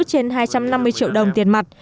trên hai trăm năm mươi triệu đồng tiền mặt